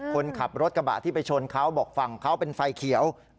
คนขับรถกระบะที่ไปชนเขาบอกฝั่งเขาเป็นไฟเขียว